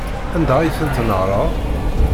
Anda ay tent-tnehṛeḍ?